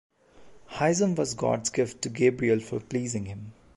Haizum was God's gift to Gabriel for pleasing Him.